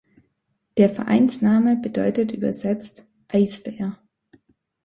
Der Vereinsname bedeutet übersetzt „Eisbär“.